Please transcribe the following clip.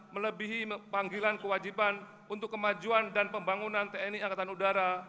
melebihi panggilan kewajiban untuk kemajuan dan pembangunan tni angkatan udara